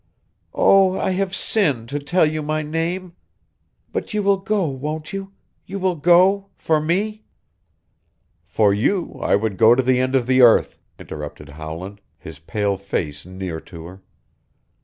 "Oh, I have sinned to tell you my name! But you will go, won't you? You will go for me " "For you I would go to the end of the earth!" interrupted Howland, his pale face near to her.